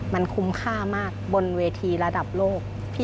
มันคุ้มค่ามากบนเวทีระดับโลก